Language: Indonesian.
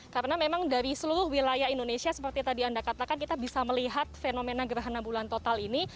karena memang dari seluruh wilayah indonesia seperti tadi anda katakan kita bisa melihat fenomena gerhana bulan total ini